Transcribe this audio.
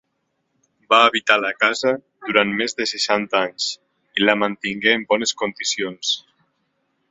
Va habitar la casa durant més de seixanta anys i la mantingué en bones condicions.